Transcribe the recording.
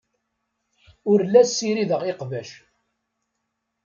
Ur la ssirideɣ iqbac.